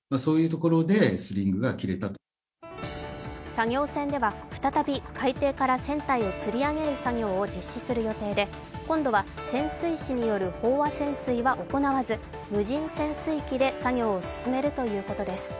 作業船では再び海底から船体をつり上げる作業を実施する予定で今度は潜水士による飽和潜水は行わず無人潜水機で作業を進めるということです。